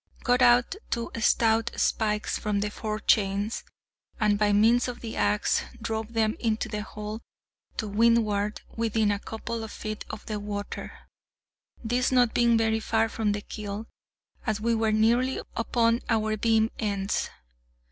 Got out two stout spikes from the forechains, and, by means of the axe, drove them into the hull to windward within a couple of feet of the water, this not being very far from the keel, as we were nearly upon our beam ends.